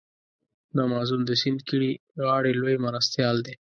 د امازون د سیند کیڼې غاړي لوی مرستیال دی.